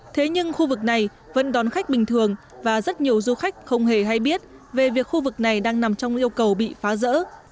thế nhưng khu vực này vẫn đón khách bình thường và rất nhiều du khách không hề hay biết về việc khu vực này đang nằm trong yêu cầu bị phá rỡ